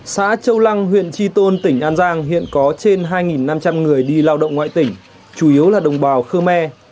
xã châu lăng huyện tri tôn tỉnh an giang hiện có trên hai năm trăm linh người đi lao động ngoại tỉnh chủ yếu là đồng bào khơ me